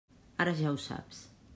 Ara ja ho saps.